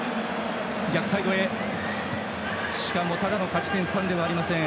しかもただの勝ち点３ではありません。